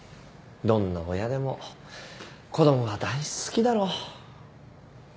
どんな親でも子供は大好きだろ。